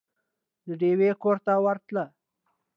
د ډېوې کور ته ورتله